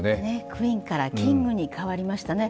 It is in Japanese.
クイーンからキングに変わりましたね。